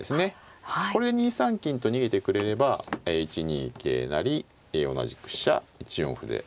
これ２三金と逃げてくれれば１二桂成同じく飛車１四歩で。